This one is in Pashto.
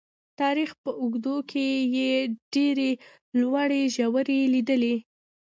تاریخ په اوږدو کې یې ډېرې لوړې ژورې لیدلي.